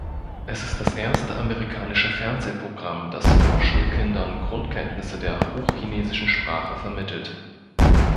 Es ist das erste amerikanische Fernsehprogramm, das Vorschulkindern Grundkenntnisse der hochchinesischen Sprache vermittelt.